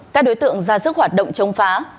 các đối tượng ra sức hoạt động chống phá